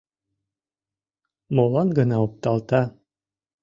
Молан гына опталта -